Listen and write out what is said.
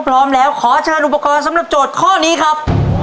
พร้อมแล้วขอเชิญอุปกรณ์สำหรับโจทย์ข้อนี้ครับ